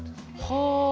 はあ。